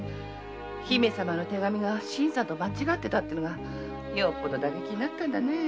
姫様の手紙が新さんと間違ってたのがよほど打撃になったんだね。